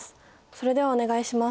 それではお願いします。